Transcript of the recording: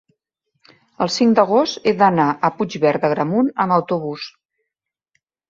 el cinc d'agost he d'anar a Puigverd d'Agramunt amb autobús.